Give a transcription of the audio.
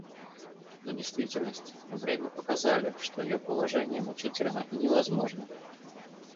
Но действительность, время показали, что ее положение мучительно и невозможно.